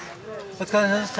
お疲れさまでした。